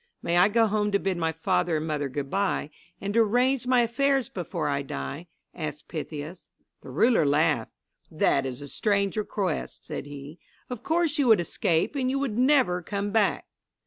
"May I go home to bid my father and mother good bye, and to arrange my affairs before I die?" asked Pythias. The ruler laughed. "That is a strange request," said he. "Of course you would escape and you would never come back."